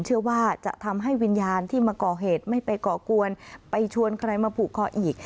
เชื่อว่าจะทำให้วิญญาณที่มาก่อเหตุไม่ไปก่อกวนไปชวนใครมาผูกคออีก